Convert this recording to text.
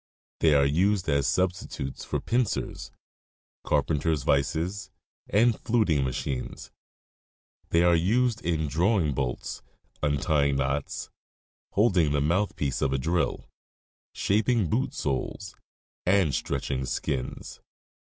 They are used as substitutes for pincers, carpenter's vices, and fluting machines. They are used in drawing bolts, untying knots, holding the mouth piece of a drill, shaping boot soles, and stretching skins.